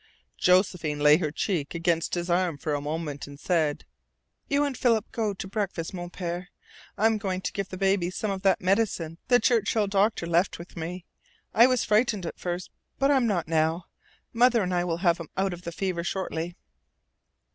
Josephine lay her cheek against his arm for a moment, and said: "You and Philip go to breakfast, Mon Pere. I am going to give the baby some of the medicine the Churchill doctor left with me. I was frightened at first. But I'm not now. Mother and I will have him out of the fever shortly."